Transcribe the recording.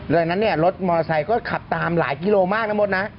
ดังนั้นเนี่ยรถมอเตอร์ไซค์ก็ขับตามหลายกิโลมากนะมดนะ